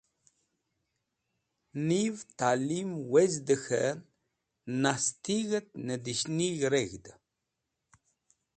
Niv talim wezdẽ k̃hẽ nastig̃ht nẽdishnig̃h reg̃hdẽ.